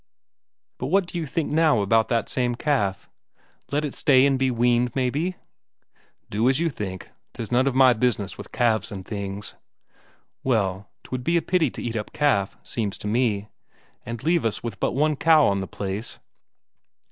But what do you think now about that same calf. Let it stay and be weaned, maybe?" "Do as you think; 'tis none of my business with calves and things." "Well, 'twould be a pity to eat up calf, seems to me. And leave us with but one cow on the place."